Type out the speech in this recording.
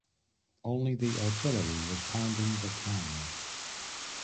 Only the artillery was pounding the town.